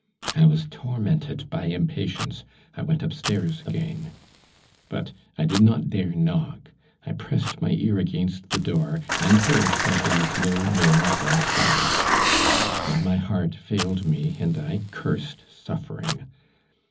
I was tormented by impatience, I went upstairs again. But I did not dare knock, I pressed my ear against the door, and heard Babet's low moans and sobs. Then my heart failed me, and I cursed suffering.